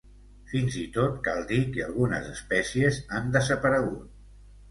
Fins i tot cal dir que algunes espècies han desaparegut.